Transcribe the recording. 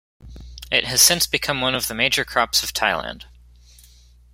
It has since become one of the major crops of Thailand.